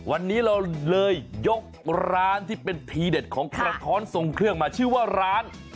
วันนี้เราเลยยกร้านที่เป็นทีเด็ดของกระท้อนทรงเครื่องมาชื่อว่าร้าน